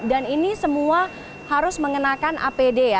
dan ini semua harus mengenakan apd ya